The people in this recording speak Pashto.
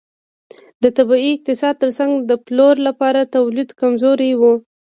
د طبیعي اقتصاد ترڅنګ د پلور لپاره تولید کمزوری و.